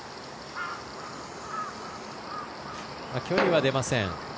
距離は出ません。